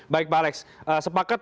baik pak alex sepakat